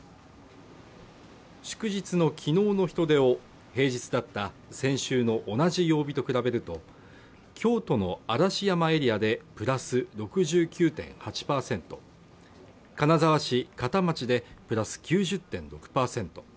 祝日の昨日の人出を平日だった先週の同じ曜日と比べると、京都の嵐山エリアでプラス６９．８％金沢市片町で＋９０．６％。